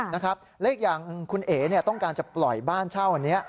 และอีกอย่างคุณเอ๋ต้องการจะปล่อยบ้านเช่านี้